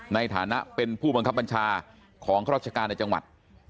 ในฐานะเป็นผู้บังคับบัญชาของข้าราชการในจังหวัด